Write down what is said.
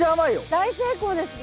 大成功ですね。